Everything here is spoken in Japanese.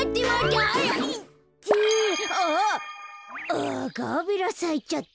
あっガーベラさいちゃった。